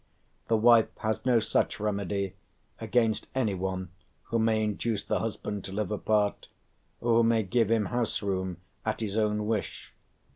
The wife has no such remedy against anyone who may induce the husband to live apart, or who may give him house room at his own wish.